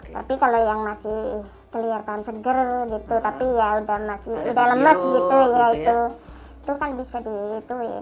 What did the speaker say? tapi kalau yang masih kelihatan seger gitu tapi ya udah lemes gitu ya itu kan bisa dihitungin